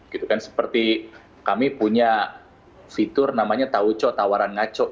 gitu kan seperti kami punya fitur namanya tauco tawaran ngaco